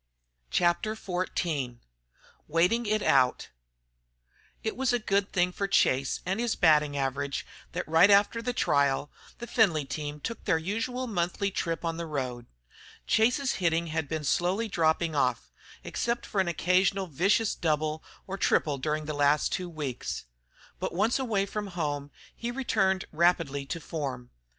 CHAPTER XIV WAITING IT OUT It was a good thing for Chase and his batting average that right after the trial, the Findlay team took their usual monthly trip on the road. Chase's hitting had been slowly dropping off, except for an occasional vicious double or triple during the last two weeks; but once away from home he returned rapidly to form.